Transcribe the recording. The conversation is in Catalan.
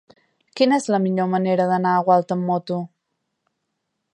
Quina és la millor manera d'anar a Gualta amb moto?